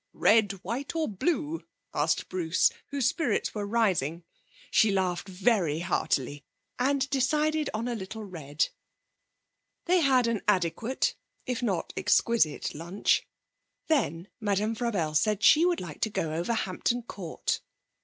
'Red, white, or blue?' asked Bruce, whose spirits were rising. She laughed very heartily, and decided on a little red. They had an adequate, if not exquisite, lunch, then Madame Frabelle said she would like to go over Hampton Court.